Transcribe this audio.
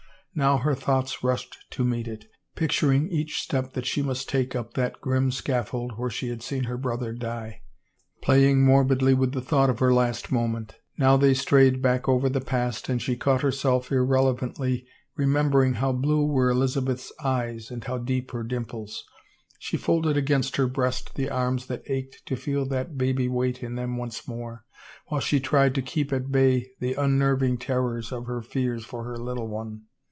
Now her thoughts rushed to meet it, picturing each step that she must take up that grim scaf fold where she had seen her brother die, playing morbidly with the thought of her last moment; now they strayed back over the past and she caught herself irrelevently re membering how blue were Elizabeth's eyes and how deep her dimples. She folded against her breast the arms that ached to feel that baby weight in them once more, while she tried to keep at bay the unnerving terrors of her fears for her little one.